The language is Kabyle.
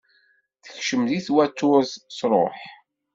Tekcem deg twaturt, truḥ.